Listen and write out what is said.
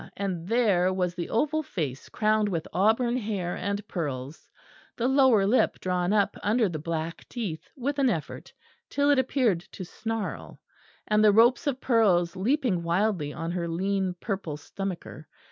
and there was the oval face crowned with auburn hair and pearls, the lower lip drawn up under the black teeth with an effort, till it appeared to snarl, and the ropes of pearls leaping wildly on her lean purple stomacher.